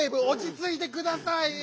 おちついてください！